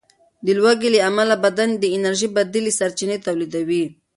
د لوږې له امله بدن د انرژۍ بدیلې سرچینې تولیدوي.